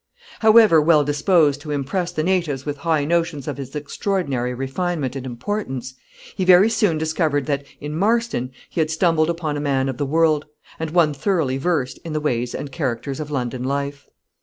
However well disposed to impress the natives with high notions of his extraordinary refinement and importance, he very soon discovered that, in Marston, he had stumbled upon a man of the world, and one thoroughly versed in the ways and characters of London life.